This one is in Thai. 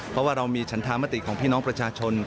เพราะว่าเรามีฉันธามติของพี่น้องประชาชน